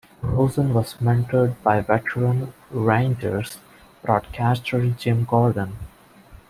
Rosen was mentored by veteran Rangers broadcaster Jim Gordon.